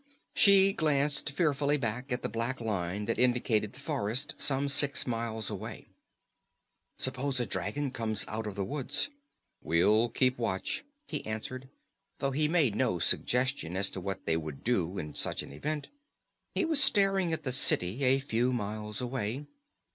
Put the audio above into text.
She glanced fearfully back toward the black line that indicated the forest some six miles away. "Suppose a dragon comes out of the woods?" "We'll keep watch," he answered, though he made no suggestion as to what they would do in such an event. He was staring at the city, a few miles away.